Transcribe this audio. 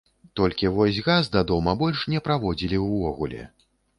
Толькі вось газ да дома больш не праводзілі ўвогуле.